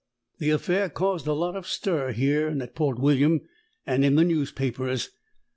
The affair caused a lot of stir, here and at Port William, and in the newspapers.